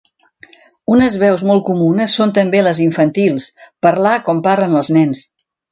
Unes veus molt comunes són també les infantils: parlar com parlen els nens.